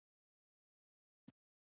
څنګه دوام ومومي او څنګه اصلاح کیږي؟